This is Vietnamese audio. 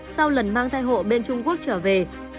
sau lần mang thai hộ bên trung quốc trở về